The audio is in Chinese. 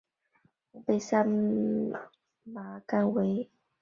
红背山麻杆为大戟科山麻杆属下的一个变种。